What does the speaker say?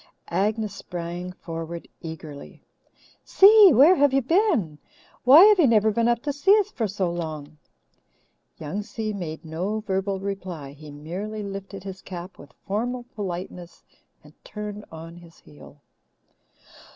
Agnes sprang forward eagerly. "Si, where have you been? Why have you never I been up to see us for so long?" Young Si made no verbal reply. He merely lifted his cap with formal politeness and turned on his heel.